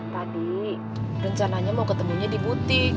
tadi rencananya mau ketemunya di butik